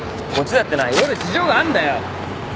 こっちだってな色々事情があんだよ。